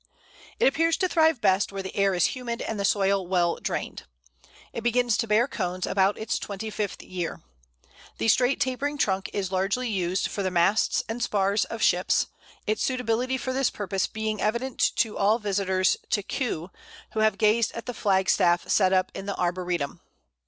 It appears to thrive best where the air is humid and the soil well drained. It begins to bear cones about its twenty fifth year. The straight tapering trunk is largely used for the masts and spars of ships, its suitability for this purpose being evident to all visitors to Kew who have gazed at the flag staff set up in the arboretum.